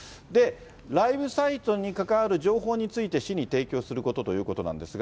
ライブサイトに関わる情報について、市に提供することということなんですが。